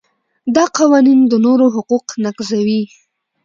دا قوانین د نورو حقوق نقضوي.